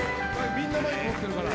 みんなマイク持ってるから。